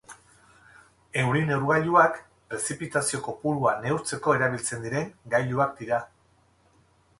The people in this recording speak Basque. Euri-neurgailuak prezipitazio kopurua neurtzeko erabiltzen diren gailuak dira.